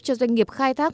cho doanh nghiệp khai thác